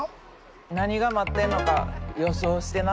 何が待ってんのか予想してな。